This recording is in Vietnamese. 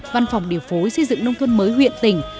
văn phòng điều phối xây dựng nông thôn mới huyện tỉnh